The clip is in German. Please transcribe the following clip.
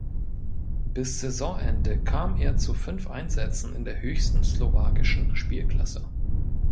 Bis Saisonende kam er zu fünf Einsätzen in der höchsten slowakischen Spielklasse.